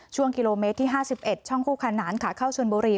ช่วงกิโลเมตรที่ห้าสิบเอ็ดช่องคู่ขานานขาเข้าชวนบุรี